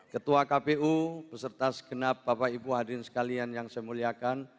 ketua kpu beserta segenap bapak ibu hadirin sekalian yang saya muliakan